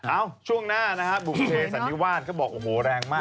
เอ้าช่วงหน้านะครับบุคเพสันนิวารก็บอกโอ้โหแรงมาก